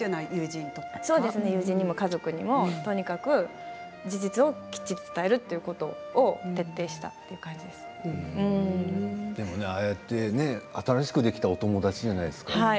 友人にも家族にもとにかく事実を伝えるということを新しくできたお友達じゃないですか。